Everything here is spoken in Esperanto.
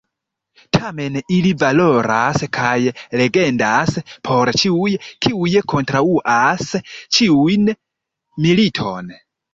Tamen, ili valoras kaj legendas por ĉiuj, kiuj kontraŭas ĉiun militon.